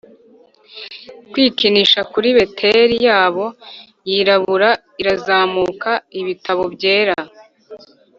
kwikinisha kuri beteli yabo yirabura irazamuka, ibitabo byera